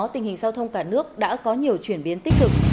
tình hình giao thông cả nước đã có nhiều chuyển biến tích cực